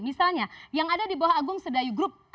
misalnya yang ada di bawah agung sedayu group